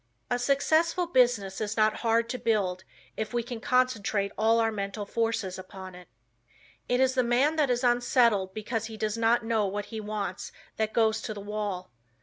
A successful business is not hard to build if we can concentrate all our mental forces upon it. It is the man that is unsettled because he does not know what he wants that goes to the wall.